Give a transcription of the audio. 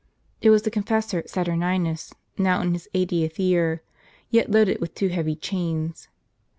It was the confessor Saturninus, now in his eightieth year, yet loaded with two heavy chains.